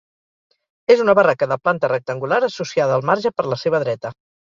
És una barraca de planta rectangular associada al marge per la seva dreta.